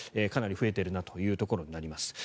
かなり増えているなというところです。